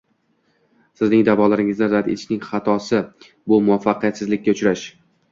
Sizning da'voingizni rad etishning xatosi - bu muvaffaqiyatsizlikka uchrash